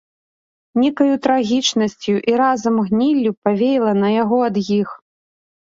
Нейкаю трагічнасцю і разам гніллю павеяла на яго ад іх.